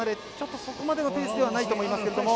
そこまでのペースではないと思いますけれども。